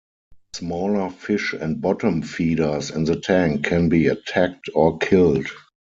Smaller fish and bottom feeders in the tank can be attacked or killed.